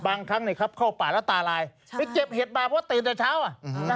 บางครั้งเนี่ยครับเข้าป่าแล้วตาลายไปเก็บเห็ดมาเพราะตื่นแต่เช้าอ่ะ